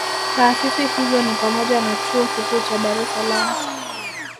Taasisi hizo ni pamoja na Chuo Kikuu cha Dar es salaam